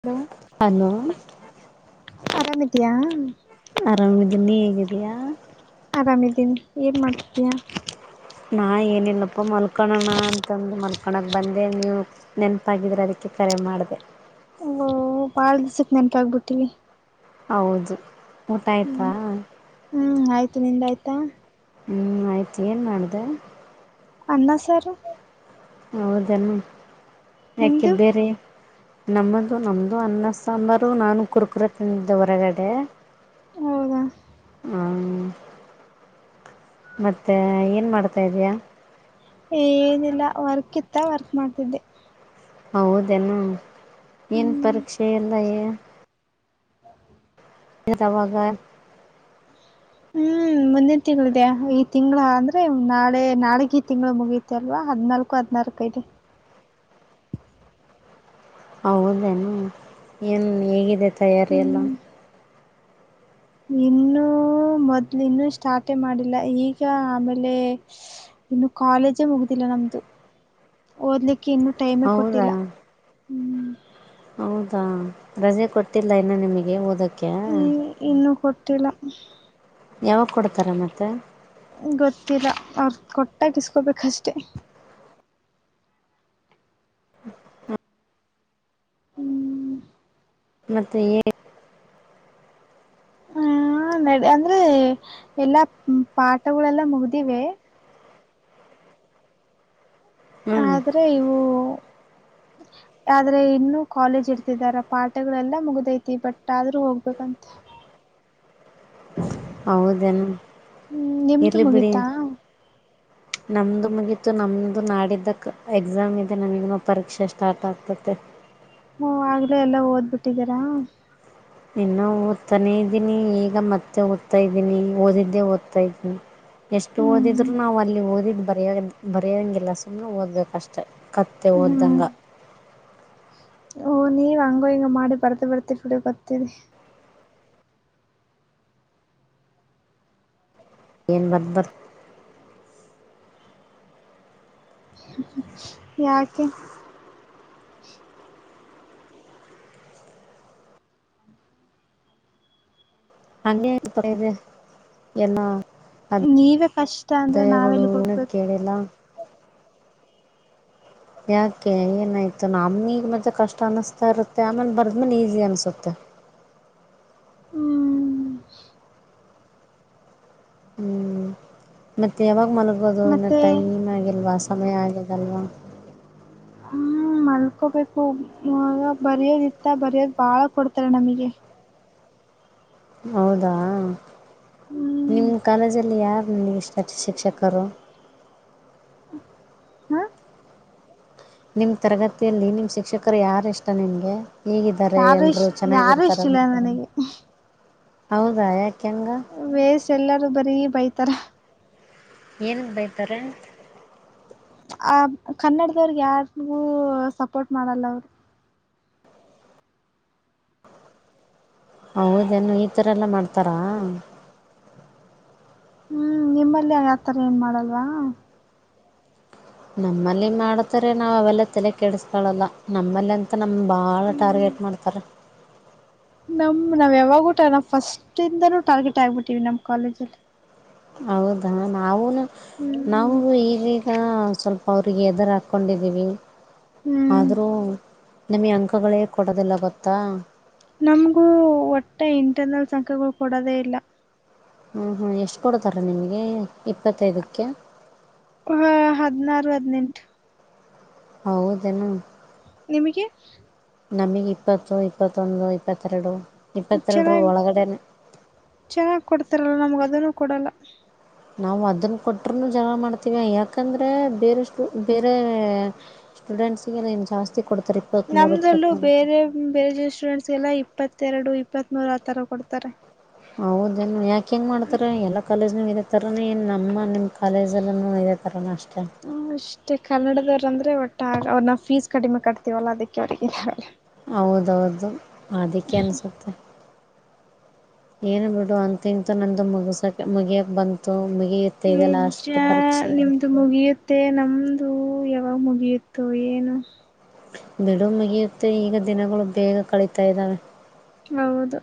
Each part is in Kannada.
ಹಲೋ ಹಲೋ ಅರಾಮಿದಿಯಾ ಆರಾಮಿದ್ದೀ ನೀಿ ಹೇಗಿದಯಾ ಆರಾಮಿದ್ದೀನಿ ಏನ್ ಮಾಡ್ತೀಯಾ ನಾ ಏನಿಲ್ಲಪ್ಪ ಮಲ್ಕಳೋಣ ಅಂತಂದು ಮಲ್ಕೊಳಕ್ಕೆ ಬಂದೆ ನೀವು ನೆನಪಾಗಿದ್ರೆ ಅದಕ್ಕೆ ಕರೆ ಮಾಡಿದೆ ಹ್ಮ ಬಾಳ ದಸಕ್ ನೆನ್ಪಾಗಬಿಟ್ಟೀವಿ ಹೌದು ಊಟ ಆಯ್ತಾ ಹ್ಮ್ ನಿಂದ ಆಯ್ತಾ ಹ್ಮ್ ಆಯ್ತು ಏನ್ ಮಾಡಿದೆ ಅನ್ನ ಸಾರ ಹೌದನ್ನು ಯಾಕೆ ನಿಮ್ದು ಬೇರೆ ನಮ್ಮದು ನಮ್ಮ್ದ ಅನ್ನ ಸಾಂಬಾರು ನಾನು ಕುಡ್ಕರ ತಿಂದಿದ್ದ ಹೊರಗಡೆ ಹೌದ ಹಾ ಮತ್ತೆ ಏನು ಮಾಡ್ತಾಿದಯಾ ಏನಿಲ್ಲ ವರ್ಕ್ ಇತ್ತ ವರ್ಕ್ ಮಾಡ್ತಿದ್ದೆ ಹೌದೇನಾ ಏನು ಹ್ಮ್ ಪರೀಕ್ಷೆ ಇಲ್ಲ ಹ [unintelligible] ಇ ತಾವಾಗ ಹ್ಮ್ ಮುಂದಿನ ತಿಂಳಿದೆ ಈ ತಿಂಗಳ ಅಂದ್ರೆ ನಾಳೆ ನಾಳಗ ಈ ತಿಂಳ ಮುಗಿಯತೆ ಅಲ್ವಾ ಅ ಹದ್ಿ [unintelligible] ನಾಲ್ಕು ಹದ್ಿನಾರಕೈದೆ ಹೌದೇನು ಏನು ಹೇಗಿದೆ ತಯಾರಿ ಎಲ್ಲ ಇನ್ನುೂ ಮೊದ್ಲು ಇನ್ನುೂ ಸ್ಟಾರ್ಟೇ ಮಾಡಿಲ್ಲ ಈಗ ಆಮೇಲೆ ಇನ್ನು ಕಾಲೇಜೇ ಮುಗುದಿಲ್ಲ ನಮ್ದು ಓದಲಿಕ್ಕೆ ಇನ್ನುೂ ಟೈಮೇ ಹೌದಾ ಕೊಟ್ಟಿಲ್ಲ ಹೌದಾ ರಜೆ ಕೊಟ್ಟಿಲ್ಲ ಇನ್ನು ನಿಮಗೆ ಓದಕ್ಕೆ ಹ ಇನ್ನುೂ ಕೊಟ್ಟಿಲ್ಲ ಯಾವಾಗ ಕೊಡ್ತಾರೆ ಮತ್ತೆ ಗೊತ್ತಿಲ್ಲ ಅವ್ರ ಕೊಟ್ಟಾಗಿಸಕೊಬೇಕಷ್ಟೆ ಹ್ಮ್ ಮತ್ತ ಏ [inaudible] ಹಾ ನಡ ಅಂದ್ರೆ ಎಲ್ಲಾ ಪಾಠಗಳೆಲ್ಲ ಮುಗ್ದಿವೆ ಹ್ಞೂ ಆದ್ರೆ ಇವು [unintelligible] ಆದ್ರೆ ಇನ್ನುೂ ಕಾಲೇಜ್ ಇರ್ತಿದಾರ ಪಾಠಗಳೆಲ್ಲಾ ಮುಗ್ದೈತಿ ಬಟ್ ಆದ್ರೂ ಹೋಗ್ಬೇಕಂತೆ ಹ [unintelligible] ಹೌದೇನು ಹ್ಮ್ ನಿಮ್ದು ಇರ್ಲಿ ಬಿಡಿ ಮುಗೀತಾ ನಮ್ದು ಮುಗಿತು ನಮ್ದು ನಾಡಿದ್ದಕ್ ಎಕ್ಸಾಮ್ ಇದೆ ನಮಗ ಪರೀಕ್ಷಾ ಸ್ಟಾರ್ಟ್ ಆಗ್ತತಿ ಹ [unintelligible] ಹಓ ಆಗ್ಲೇ ಎಲ್ಲ ಓದ್ಬಿಟ್ಟಿದ್ದೀರಾ ಇನ್ನ ಓದ್ತಾನೇ ಇದ್ದೀನಿ ಈಗ ಮತ್ತೆ ಓದ್ತಾ ಇದ್ದೀನಿ ಓದಿದ್ದೇ ಓದ್ತಾ ಇದ್ದೀನಿ ಎಷ್ಟು ಹ್ಮ್ ಓದಿದ್ರು ನಾವು ಅಲ್ಲಿ ಓದಿದು ಬರಯೋ ಬರೆಯೋಂಗಿಲ್ಲ ಸುಮ್ಮ್ ಓದ್ಬೇಕಷ್ಟೆ ಕತ್ತೆ ಹ್ಮ್ ವ್ದಂಗ ಓ ನೀವ್ ಹಂಗ ಹಿಂಗ ಮಾಡಿ ಬರ್ತ ಬರ್ತಿ ಫುಡಿ ಗೊತ್ತೀರಿ ಏನ್ ಬತ್ತ ಬರ್ [inaudible] ಯಾಕೆ ಹಂಗೆದೆ ಏನ [unintelligible] ಅ ನೀವೇ ಕಷ್ಟ ಅಂದ್ರೆ ಆದಾಯಗಳು ನಾವೆಲ್ಲಿಗ್ [unintelligible] ನ ಹೋಗ್ಬೇಕು ಕೇಳಿಲ್ಲ ಯಾಕೆ ಏನಾಯ್ತುನಮಿಗೆ ಮತ್ತೆ ಕಷ್ಟ ಅನಸ್ತಾ ಇರುತ್ತೆ ಆಮೇಲೆ ಬರ್ದ್ಮೇಲೆ ಈಸಿ ಅನ್ಸುತ್ತೆ [unintelligible] ಹ್ಮ್ ಹ್ಮ್ ಮತ್ತೆ ಯಾವಾಗ ಮಲಗೋದು ಇನ್ನುೂ ಮತ್ತೆ ಟೈಮ್ ಆಗಿಲ್ವಾ ಸಮಯ ಆಗಿದೆಲ್ವಾ ಹ್ಮ್ ಹ ಮಲ್ಕೋಬೇಕು ಬರಿಯೋದಿತ್ತ ಬರಿಯೋದ್ ಬಾಳ್ ಕೊಡ್ತಾರ ನಮಗೆ ಹೌದಾ ಹ್ಮ್ ನಿಮ್ ಕಾಲೇಜಲ್ಲಿ ಯಾರ ನನಗೆ ಇಷ್ಟಷ್ಟ ಶಿಕ್ಷಕರು ಹಾ ನಿಮ್ಮ ತರಗತಿಯಲ್ಲಿ ನಿಮ್ಮ ಶಿಕ್ಷಕರು ಯಾರ ಇಷ್ಟ ನಿಮ್ಗೆ ಹೀಗಿದ್ದಾರೆ ಯಾರು ಎಲ್ರು ಇಷ್ಟ ಯಾರು ಇಷ್ಟ ಇಲ್ಲ ಚೆನ್ನಾಗಿರ್ತಾರಂತ ನನಗೆ ಹೌದಾ ಯಾಕೆ ಹೆಂಗ ವೇಸ್ ಎಲ್ಲಾರೂ ಬರೀ ಬೈತಾರ ಏನ ಬಯ್ತಾರೆ ಆ ಕನ್ನಡದವ್ರಗ್ ಯಾರ್ಗೂ ಸಪೋರ್ಟ್ ಮಾಡಲ್ಲ ಅವರು ಹೌದೇನು ಈಥರ ಎಲ್ಲ ಮಾಡ್ತಾರಾ ಹ್ಮ್ ನಿಮ್ಮಲ್ಲಿ ಆತರ ಏನ್ ಮಾಡಲ್ವಾ ನಮ್ಮಲ್ಲಿ ಮಾಡತಾರೆ ನಾವ್ ಅವೆಲ್ಲ ತಲೆ ಕೆಡಿಸಕಾಳಲ್ಲ ನಮ್ಮಲ್ಲಿ ಅಂತ ನಮ್ಗೆ ಭಾಳ ಟಾರ್ಗೆಟ್ ಮಾಡ್ತಾರೆ. ನಮ್ ನಾವ್ ಯಾವಾಗೂಟ ನಾ ಫಸ್ಟ್ಂದನೂ ಟಾರ್ಗೆಟ್ ಆಗ್ಬಿಟ್ಟಿವವಿ ನಮ್ ಕಾಲೇಜಲ್ಲಿ. ಹೌದಾ ನಾವುೂನು ನಾ ಹ್ಮ್ ಈಗೀಗ ಸ್ವಲ್ಪ. ಅವ್ರಿಗೆ ಎದುರು ಹಾಕ್ಕೊಂಡಿದ್ದೀವಿ ಹ್ಮ್ ಆದರೂ. ನಿಮಗೆ ಅಂಕಗಳೇ ಕೊಡೋದಿಲ್ಲ ಗೊತ್ತಾ. ನಮಗೂ ಒಟ್ಟೆ ಇಂಟರ್ನಲ್ ಸಂಖ್ಯೆಗಳು ಕೊಡೋದೇ ಇಲ್ಲ. ಹ್ಮ್ ಹ್ಮ್ ಎಷ್ಟು ಕೊಡ್ತಾರ ನಿಮ್ಗೆ ಇಪ್ಪತ್ತೈದಕ್ಕೆ. ಹ ಹದಿನಾರು ಹದಿನೆಂಟು. ಹೌದೇನು. ನಿಮಗೆ. ನಮಗೆ ಇಪ್ಪತ್ತು ಇಪ್ಪತ್ತೊಂದು ಇಪ್ಪತ್ತೆರಡು. ಇಪ್ಪತ್ತೆರಡರ ಚೆನ್ನಾಗಿ ಒಳಗಡೆನೇ ಚೆನ್ನಾಗ್ ಕೊಡ್ತಾರಲ್ಲ ನಮ್ಗ ಅದನ್ನು ಕೊಡಲ್ಲ. ನಾವು ಅದನ್ನ ಕೊಟರುನು ಜವ ಮಾಡ್ತೀವ ಯಾಕಂದ್ರೆ ಬೇರೆಷ್ಟು ಬೇರೆ. ಸ್ಟೂಡೆಂಟ್ಸ್ಗೆ ನೀ ಜಾಸ್ತಿ ಕೊಡ್ತ. ನಮ್ದಲ್ಲೂ ಬೇರೆ ಬೇರೆ ಜ ಸ್ಟೂಡೆಂಟ್ಸ್ಗೆಲ್ಲ ಇಪ್ಪತ್ತು. ಇೆರಡು ಇಪ್ಪತ್ತ್ರು ಆಥರ ಕೊಡ್ತಾರೆ. ಹೌದನ್ ಯಾಕ ಹೆಂಗ್ ಮಾಡ್ತಾರ ಎಲ್ಲಾ ಕಾಲೇಜ್ನ ಇರುತ್ತ. ತರ ನೀ ನಮ್ಮ ನಿಮ್ ಕಾಲೇಜಲ್ಲ ಇದೆ ತರ ಅಷ್ಟ. ಹ ಅಷ್ಟೇ ಕನ್ನಡದ. ಅಂದೆ ಒಟ್ಟ ಅವ್ರನ್ನ ಫೀಸ್ ಕಡಿಮೆ ಕಟ್ತೀವಲ್ಲ ಅದಕ್ಕೆ ಅವರಿಗೆ ಇದಲ್ಲ. ಹೌದೌದು ಅದಕ್ಕೆ ಅನ್ಸುತ್ತೆ. ಏನ್ ಬಿಡು ಅಂತ ಇಂತ ನಂದು ಮುಗಸಕ ಮುಗಿಯಕ್ ಬಂತು. ಮುಗಿಯುತ್ತೆ ಇದೆ ನಿಜ ಲಾಸ್ಟ್ ಪರೀಕ್ಷೆ ನಿಮ್ದು ಮುಗಿಯುತ್ತೆ ನಮ್ದು ಯ. ಆ ಮುಗಿಯತ್ತು ಏನು. ಬಿಡು ಮಗಿಯುತ್ತೆ ಈಗ ದಿನಗಳು ಬೇಗ ಕಳಿತಾ ಇದ್ದಾವೆ. ಹೌದು.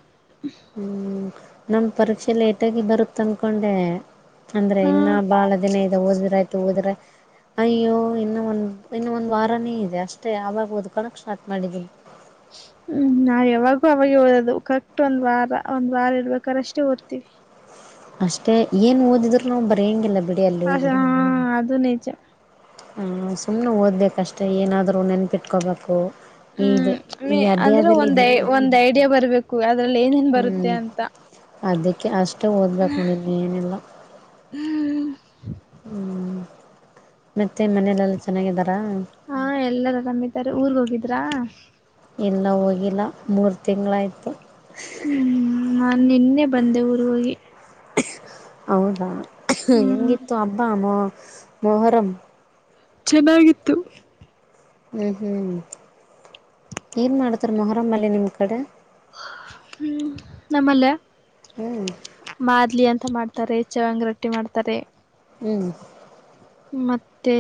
ಹ್ಮ್ ನಮ ಪರೀಕ್ಷೆ ಲೇಟಗಿ ಬರುತ್ತ ಅನ್ಕೊಂಡೆ. ಅಂದ್ರೆ ಹಾ ಇನ್ನ ಬಾಳ ದಿನ ಇದೆ ಓದ್ರ ಆಯ್ತು ಓದ್ರೆ ಅಯ್ಯೋ ಇನ್ನ ಒಂದ. ಇನ್ನೊ ಒಂದು ವಾರನೇ ಇದೆ ಅಷ್ಟೇ ಆಗಬೋದು ಕಣಕ್ ಸ್ಟಾರ್ಟ್ ಮಾಡಿದ್ದೀನಿ. ಹ್ಮ್ ನಾ ಯಾವಾಗೂ ಅವಾಗ ಓದದು. ಅಷ್ಟ ಒಂದ್ ವಾರ ಒಂದ್ ವಾರ ಇರ್ಬೇಕ್ರ ಅಷ್ಟೇ ಓ್ತವಿ. ಅಷ್ಟೇ ಏನ್ ಓದಿದ್ರು ನಾವು ಬರೆಯಂಗಿಲ್ಲ. ಬಿಡಿ ಅಲ್ಲಿ ಹ ಹೋಗಿ ಹಾ ಅದು ನೇಚ. ಹ ಸುಮ್ಮ್ನೆ ಓದ್ಬೇಕಷ್ಟೇ ಏನಾದರೂ ನೆನಪಿಟ್ಕೋಬೇಕು. ಹ್ಮ್ ಅಂದ್ರೆ ಒಂದ್ ಇದಿದ್ದು ಒಂದ್ ಐಡಿಯಾ ಬರ್ಬೇಕು. ಅದ್ರಲ್ಲಿ ಏನೇನ್ ಬರುತ್ತೆ ಹ್ಮ್ ಅಂತ. ಅದಕ್ಕೆ ಅಷ್ಟೇ ಓದ್ಬೇಕು ನೋಿದ್ ಏನೆಿಲ್ಲ. ಮತ್ತೆ ಮನೆಯಲೆೆಲ್ಲಾ ಚನ್ನಾಗಿರ. ಹಾ ಎಲ್ಲಾರ ಆರಾಮಾರ ಊರ್ಗ್ ಹೋಗಿದ್ರಾ. ಇಲ್ಲ ಹೋಗಿಲ್ಲ ಮೂರು ತಿಂಗಳಾಯ್ತು. ಹ್ಮ್ ಹ್ಮ್ ನಾನ್ ನಿನ್ನೆ ಬಂದೆ ಊರ್ ಹೋಗಿ. ಹೌದಾ ಹ್ಮ್ ಹೆಂಗಿತ್ತು ಅಬ್ಬಾ ಮೊ ಮೊಹರಂ. ಚೆನ್ನಾಗಿತ್ತು. ಹ್ಮ್ ಹ್ಮ್ ಏನ್ ಮಾಡ್ತಾರ ಮೊಹರಂಲ್ಲಿ ನಿಮ್ ಕಡೆ. ಹ್ಮ್ ನಮ್ಮಲ್ಲ ಹ್ಞೂ ಮಾಡದ್ಲಿ ಅಂತ ಮಾಡ. ತಾರೆ ಚವಂಗ [unintelligible] ರೊಟ್ಟಿ ಮಾಡ್ತಾರೆ. ಹ್ಮ್. ಮತ್ತೆ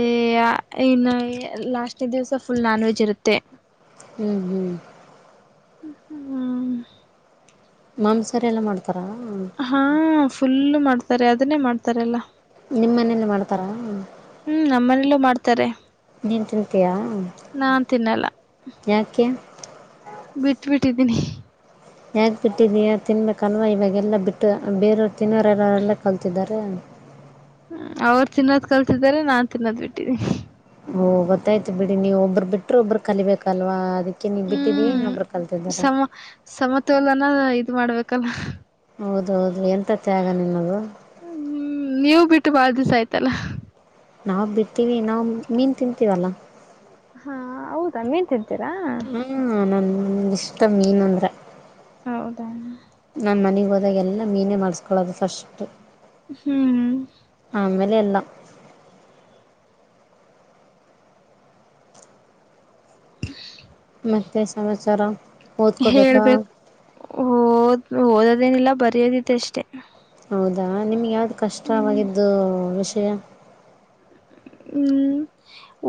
ಇನ್ನ ಲಾಸ್ಟ್ನ ದಿವ್ಸ ಫುಲ್ ನಾನ್ ವೆಜ್ ಇರುತ್ತೆ. ಹ್ಮ್ ಹ್ಮ್. ಹ್ಮ್ ಮಾಂಸಾರ [unintelligible] ಎಲ್ಲ ಮಾಡ್ತವಿ. ಹಾ ಫುಲ್ಲ ಮಾಡ್ತಾರೆ ಅದನ್ನೇ ಮಾಡ್ತಾರೆ ಎಲ್ಲಾ ನಿಮ್ಮ ಮನೇಲಿ ಮಾಡ್ತಾರ ಹ ಹ್ಮ್ ನಮ್ಮನೇಲ್ಲೂ ಮಾಡ್ತಾರೆ ನ ತಿಂತಯಾ ನಾನ್ ಯಾಕ್ಕ ಬಿಟ್ ಬಿಿಟ್ಟಿದ್ದೀನಿ ಯಾಕ ಬಿಟ್ಟಿದಿ ತಿನ್ಬೇಕಲ್ವಾ ಇವಾಗೆಲ್ಲಾ ಬಿಟ್ಟು ಬೇರೆಯವರು ತಿನ್ನೋರೆಲ್ಲರೆಲ್ಲ ಕಲ್ತಿದ್ದಾರೆ ಟನ್ [unintelligible] ್ಮ [unintelligible] ಅವ್ರು ತಿನ್ನೋದ್ ಕಲ್ಸಿದಿದ್ದಾರೆ ನಾನ್ ತಿನ್ನೋದ್ ಬಿಟ್ಟಿದಿ ಹ ಗೊತ್ತಾಯ್ತು ಬಿಡಿ ನೀವು ಒಬ್ರು ಬಿಟ್ರೆ ಒಬ್ಬರು ಕಲಿಬೇಕಲ್ವಾ ಅದಕ್ಕೆ ನೀವು ಬಿಟ್ಟಿದ್ದೀಯ ಹ್ಮ್ ಇನ್ನೊಬ್ರು ಕಲ್ತಿದ್ದಾರೆ ಸಮ ಸಮತೋಲನ ಇದ್ ಮಾಡ್ಬೇಕಲ್ಲ ಹೌದು ಹೌದು ಎಂಥ ತ್ಯಾಗ ನಿನ್ನದು ಹ್ಮ್ ನೀವು ಬಿಟ್ಟು ಬಾಳ ದಿವಸ ಆಯ್ತಲ್ಲ ನಾವ್ ಬಿಡ್ತೀವಿ ನಾವವು ಮೀನ್ ತಿಂತೀವಲ್ಲ ಹಾ ಹೌದಾ ನೀಂತಂತೀರಾ ಹ ಇಷ್ಟ ಮೀನು ಅಂದ್ರೆ ಹೌದಾ ನಮ್ಮ ಮನೆಗ್ ಹೋದಾಗ ಎಲ್ಲ ಮೀನೇ ಮಾಡಸ್ಕೊಳೋದು ಫಸ್ಟ್ ಹ್ಮ್ ನಿನ್ನ [unintelligible] ಮತ್ತೆ ಸಮಾಚಾರ ಓದ್ಕೋಬೇಕಾ ಹೇಳ್ಬೇಕು ದ್ ಓದದೇನಿಲ್ಲ ಬರಿಯೋದಿದೆ ಅಷ್ಟೇ ಹೌದಾ ನಿಮ್ಗೆ ಯಾವ್ದು ಕಷ್ಟವಾಗಿದ್ದು ವಿಷಯ ಹ್ಮ್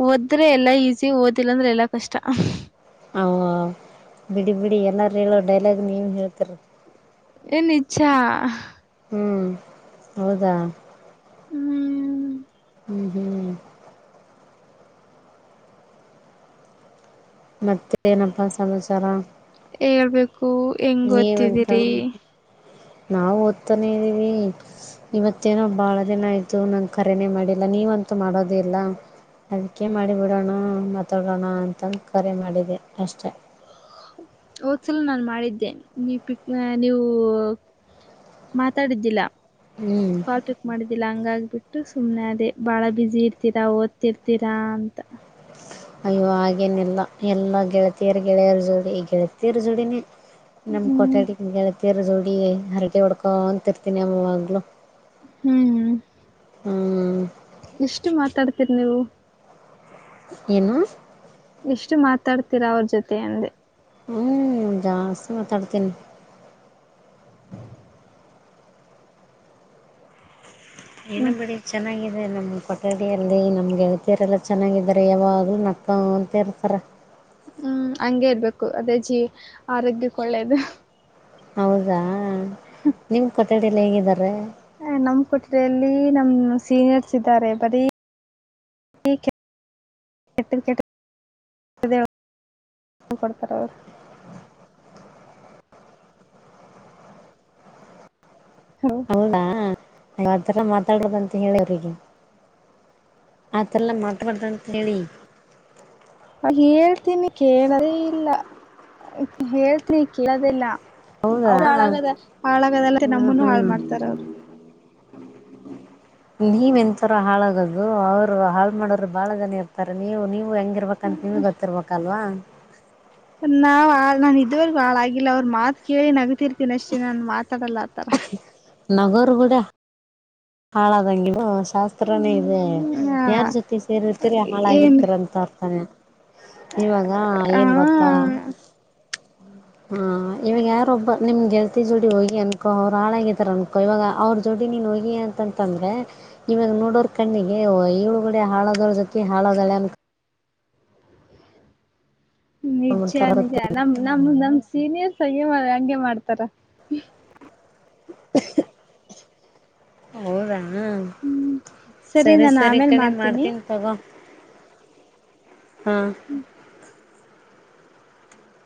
ಓದ್ರೆ ಎಲ್ಲಾ ಈಸಿ ಓದಿಲ್ಲ ಅಂದ್ರೆ ಎಲ್ಲಾ ಕಷ್ಟ ಅವ ಬಿಡಿ ಬಿಡಿ ಎಲ್ಲ ೀಲೋ ಡೈಲಾಗ್ನ ನೀನು ಹೇಳ್ತಾರ ಏನ್ ನಿಜ ಹ್ಮ್ ಹೌದಾ ಹ್ಮ್ ಹ್ಮ್ ಹ್ಮ್ ಮತ್ತ ಏನಪ್ಪಾ ಸಮಾಚಾರ ಹೇಳ್ಬೇಕು ಹೆಂಗ್ ಓದ್ತಿದಿರಿ ನೀವಂತ ನಾವು ಓದ್ತಾನೇ ಇದ್ದೀವಿ ಇವತ್ತೇನೋ ಬಾಳ ದಿನ ಆಯ್ತು ನನ್ ಕರೆನೇ ಮಾಡಿಲ್ಲ ನೀವಂತೂ ಮಾಡೋದ ಇಿಲ್ಲ ಅದಕ್ಕೆ ಮಾಡಿ ಬಿಡೋಣ ಮಾತಾಡೋಣ ಅಂತ ಕರೆ ಮಾಡಿದ್ದೆ ಅಷ್ಟೆ ಹಓದ್ಸಲ ನಾನ್ ಮಾಡಿದ್ದೆ ನೀ ಪಿಕ್ ನೀವು ಮಾತಾಡಿದ್ದಿಲ್ಲ ಹ್ಞೂ ಕಾಲ್ ಪಿಕ್ ಮಾಡಿದ್ದಿಲ್ಲ ಹಂಗಾಗಬಿಟ್ಟು ಸುಮ್ನೆ ಅದೇ ಬಾಳ ಬಸಿ ಇರ್ತೀರಾ ಓದ್ತಿರ್ತೀರಾ ಅಂತ ಅಯ್ಯೋ ಹಾಗೇನೆಲ್ಲಾ ಎಲ್ಲಾ ಗೆಳತಿಯರ್ ಗೆಳೆಯರ ಜೋಡಿ ಗೆಳತಿಯರ್ ಜೋಡಿನೇ ನಮ್ ಕ ಹ್ಮ್ ಕೊಠ್ಯಾಡಿ ಗೆಳತಿಯರ್ ಜೋಡಿ ಹರಟ ಹೊಡ್ಕೊ ಅಂತ ಇರ್ತೀನಿ ಯಾವಾಗಲೂ ಹ್ಮ ಹ್ಞೂ ಎಷ್ಟು ಮಾತಾಡ್ತೀರಿ ನೀವು ಏನು ಎಷ್ಟು ಮಾತಾಡ್ತೀರಾ ಅವ್ರ ಜೊತೆ ಅಂದ್ರೆ ಹ್ಮ್ ಜಾಸ್ತಿ ಮಾತಾಡ್ತೀನಿ [inaudible] ಏನ ಮತ್ ಬಿಡಿ ಚೆನ್ನಾಗಿದೆ ನಮ್ ಕೊಠಡಿಯಲ್ಲಿ ನಮ್ಗೆಳ್ ಬೇರೆಲ್ಲ ಚೆನ್ನಾಗಿದ್ದಾರೆ ಯಾವಾಗ್ಲೂ ನಕ್ಕ ಅಂತ ಇರ್ತಾರ ಹ್ಮ್ ಹಂಗಗೆ ಇರ್ಬೇಕು ಅದೇ ಜೀ ಆರೋಗ್ಯಕ್ಕೆ ಒಳ್ಳೇದು ಹೌದಾ ನಿಮ್ ಕೊಠಡ ಎಲ್ಲಿ ಹೇಗಿದಿದ್ದಾರೆ ಹ ನಮ್ ಕೊಟ್ರಲ್ಲಿ ನಮ ಸೀನಿಯರ್ಸ್ ಇದ್ದಾರೆ ಬರೀ ಕೆಟ್ಟ ಕೆಟ್ಟ ಕೊಡ್ತಾರ ಅವ್ [unintelligible] ಹಲೋ ಅತಾರ ಮಾತಾಡೋದಂತ ಹೇಳ್ಯವ್ರಿಗೆ ಆತರಲ್ಲ ಮಾಡತಬಾರಡ್ರಂತ ಹೇಳಿ ಹೇಳ್ತೀನಿ ಕೇಳದೇ ಇಲ್ಲ ಹೇಳ್ತೀನಿ ಕೇಳದಿಲ್ಲ ಹೌದಾ ಹಾಳಾಗದ ಹಾಳಾಗದಲ್ಲ ಹ್ಮ್ ನಮ್ಮನು ಹಾಳ ಹ್ಮ್ ಮಾಡ್ತಾರ ಅವರು [unintelligible] ನೀವ್ ಎಂತರ ಹಾಳಾಗದು ಅವರು ಹಾಳ ಮಾಡದ್ರು ಬಾಳ ಜನ ಇರ್ತಾರೆ ನೀವು ನೀವ ನೀವ್ ಹೆಂಗಿರ್ಬೇಕ ಅಂತ ನಿಮ್ ಗೊತ್ತಿರ್ಬೇಕಲ್ವಾ ನಾವ್ ಆ ನಾನು ಇದುವರೆಗೂ ಹಾಳಾಗಿಲ್ಲ ಅವ್ರರು ಮಾತ್ ಕೇಳಿ ನಗತಿರ್ತೀನಿ ಅಷ್ಟೇ ನಾನನ್ ಮಾತಾಡಲ್ಲ ಆತರ ನಗೋರ್ಗೂಡ ಹಾಳದಂಗ ಶಾಸ್ತ್ರನೇ ಇದೆ ಹ್ಮ ಯಾರ್ ಜೊತೆ ಸೇರಿರ್ತೀರಿ ಏನ್ ಹಾಳಾಗಿರ್ತೀರ ಅಂತ ಅರ್ತಾನೆ ಇವಾಗ ಹ ಏನ್ ಗೊತ್ತಾ ಹಾ ಇವಾಗ ಯಾರೊಬ್ಬ ನಿಮ್ ಗೆಲ್ತಿ ಜೋಡಿ ಹೋಗಿ ಅನ್ಕೋ ಅವ್ರು ಹಾಳಾಗಿದಾರ ಅನ್ಕೋ ಇವಾಗ ಅವ್ರ ಜೋಡಿ [unintelligible] [unintelligible] ತಂದ್ರೆ ಇವಾಗ ನೋಡೋರ್ ಕಣ್ಣಿಗೆ ಏಳುಗಡೆ ಹಾಳದಳ ಜೊತಿ ಹಾಳದಳೆ ಅಂತ ನಿಜ ಅನ್ಕೊಂಡ್ಬಿಡ್ತಾರ ನಿಜ ಗೊತ್ತ ನಮ ನಮ್ಮ ನಮ್ ಸೀನಿಯರ್ಸ್ ಹಗೆ ಮಾಡ ಹಂಗೆ ಮಾಡ್ತಾರ ಹೌದಾ ಹ್ಮ ಹ್ಮ್ ಸರಿ ಸರಿ ಈ ಕಣೆ ಮಾಡ್ತೀನಿ ತಗೊ ಹಾ